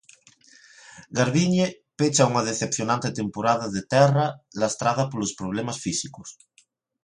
Garbiñe pecha unha decepcionante temporada de terra, lastrada polos problemas físicos.